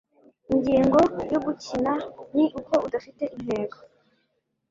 Ingingo yo gukina ni uko idafite intego